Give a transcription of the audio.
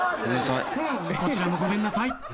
こちらもごめんなさい。